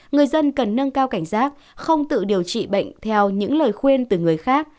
người dân cần nâng cao cảnh giác không tự điều trị bệnh theo những lời khuyên từ người khác